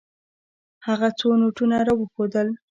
هغه څو نوټونه راوښودل.